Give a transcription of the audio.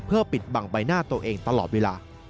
ปิดบังใบหน้าตัวเองตลอดเวลา